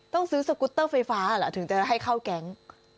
ต้องซื้อสกุตเตอร์ไฟฟ้าเหรอถึงจะให้เข้าแก๊ง